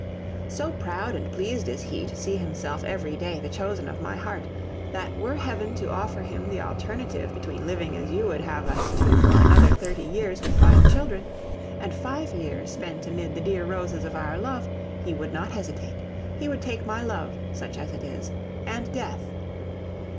So proud and pleased is he to see himself every day the chosen of my heart, that were Heaven to offer him the alternative between living as you would have us to for another thirty years with five children, and five years spent amid the dear roses of our love, he would not hesitate. He would take my love, such as it is, and death.